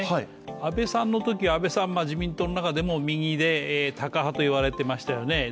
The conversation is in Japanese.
安倍さんのときは自民党の中でも右でタカ派と言われてましたよね